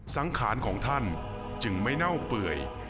สังขารของท่านจึงไม่เน่าเปื่อย